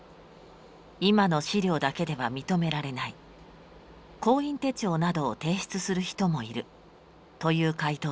今の資料だけでは認められない工員手帳などを提出する人もいるという回答でした。